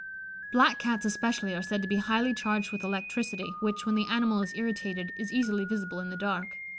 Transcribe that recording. Black Cats especially are said to be highly charged with electricity, which, when the animal is irritated, is easily visible in the dark.